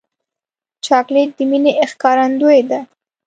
چاکلېټ د مینې ښکارندویي ده.